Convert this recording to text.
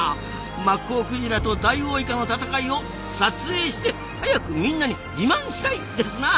マッコウクジラとダイオウイカの闘いを撮影して早くみんなに自慢したいですなあ。